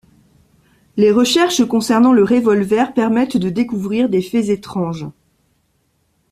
Les recherches concernant le revolver permettent de découvrir des faits étranges.